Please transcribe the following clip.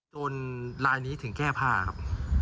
ลายนี้ถึงแก้ผ้าครับ